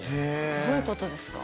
どういうことですか？